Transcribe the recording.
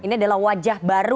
ini adalah wajah baru